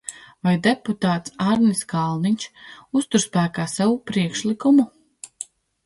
Vai deputāts Arnis Kalniņš uztur spēkā savu priekšlikumu?